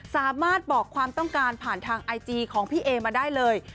สามารถบอกความต้องการผ่านทางไอจีของพี่เอมาได้เลย